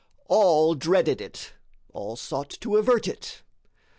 All dreaded it all sought to avert it.